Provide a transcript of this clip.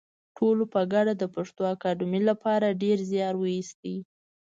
ټولو په ګډه د پښتو اکاډمۍ لپاره ډېر زیار وایستی